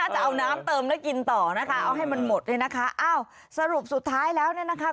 จะเอาน้ำเติมแล้วกินต่อนะคะเอาให้มันหมดเนี่ยนะคะอ้าวสรุปสุดท้ายแล้วเนี่ยนะคะ